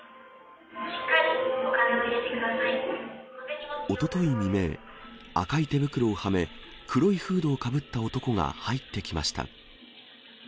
しっかりお金を入れてくださおととい未明、赤い手袋をはめ、黒いフードをかぶった男が入ってきました。